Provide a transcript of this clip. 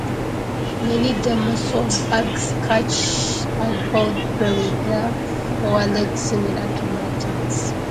Many damsel bugs catch and hold prey with their forelegs, similar to mantids.